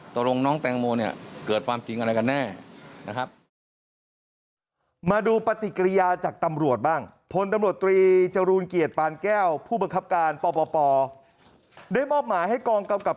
ตรงน้องแตงโมเนี่ยเกิดความจริงอะไรกันแน่นะครับ